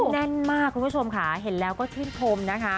แน่นมากคุณผู้ชมค่ะเห็นแล้วก็ชื่นชมนะคะ